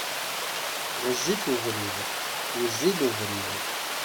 Ɣezzif ubrid, wezzil ubrid.